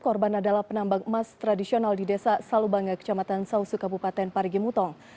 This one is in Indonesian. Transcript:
korban adalah penambang emas tradisional di desa salubanga kecamatan sausu kabupaten parigi mutong